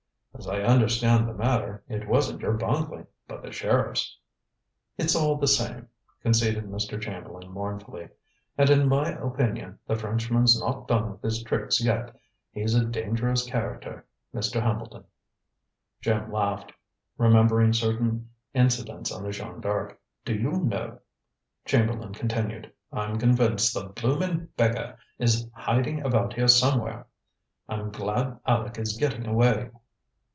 "As I understand the matter, it wasn't your bungling, but the sheriff's." "It's all the same," conceded Mr. Chamberlain mournfully. "And in my opinion, the Frenchman's not done with his tricks yet. He's a dangerous character, Mr. Hambleton." Jim laughed, remembering certain incidents on the Jeanne D'Arc. "Do you know," Chamberlain continued, "I'm convinced the bloomin' beggar is hiding about here somewhere. I'm glad Aleck is getting away."